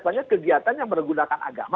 banyak kegiatan yang bergunakan agama